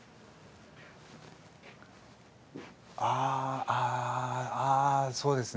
あああそうですね。